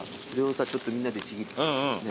ちょっとみんなでちぎって。